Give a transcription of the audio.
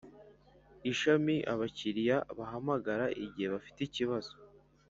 Ishami abakiriya bahamagara igihe bafite ikibazo